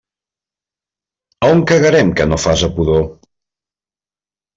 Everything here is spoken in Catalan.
A on cagarem que no faça pudor?